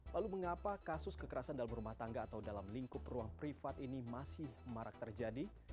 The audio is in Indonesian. lalu mengapa kasus kekerasan dalam rumah tangga atau dalam lingkup ruang privat ini masih marak terjadi